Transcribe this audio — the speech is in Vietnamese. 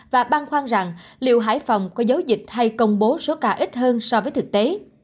và băng khoăn rằng liệu hải phòng có dấu dịch hay công bố số ca ít hơn so với thực tế